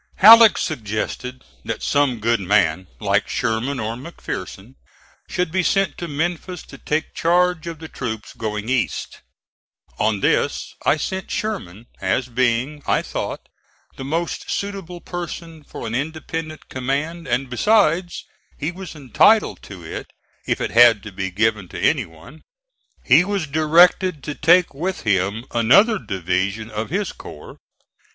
Halleck suggested that some good man, like Sherman or McPherson, should be sent to Memphis to take charge of the troops going east. On this I sent Sherman, as being, I thought, the most suitable person for an independent command, and besides he was entitled to it if it had to be given to any one. He was directed to take with him another division of his corps.